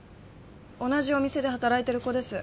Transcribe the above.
同じお店で働いてる子です